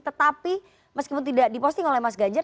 tetapi meskipun tidak diposting oleh mas ganjar